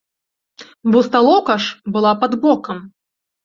Бо сталоўка ж была пад бокам.